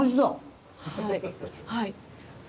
はい。